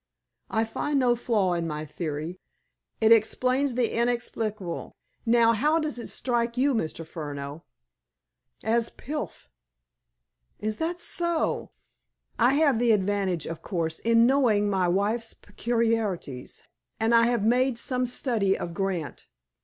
I find no flaw in my theory. It explains the inexplicable. Now, how does it strike you, Mr. Furneaux?" "As piffle." "Is that so? I have the advantage, of course, in knowing my wife's peculiarities. And I have made some study of Grant.